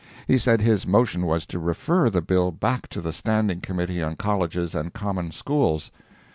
He said his motion was to refer the bill back to the Standing Committee on Colleges and Common Schools.